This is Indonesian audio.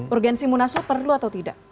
urgensi munaslup perlu atau tidak